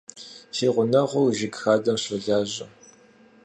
Си гъунэгъур жыг хадэм щолажьэ.